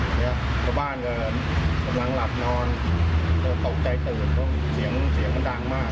ทีนี้ชาวบ้านก็กำลังหลับนอนก็ตกใจตื่นเพราะเสียงเสียงมันดังมาก